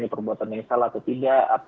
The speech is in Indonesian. perbuatan yang salah atau tidak